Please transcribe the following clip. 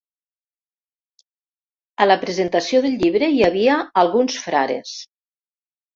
A la presentació del llibre hi havia alguns frares.